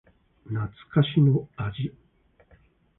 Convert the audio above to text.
懐かしの味